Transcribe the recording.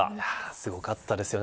すごかったですよね。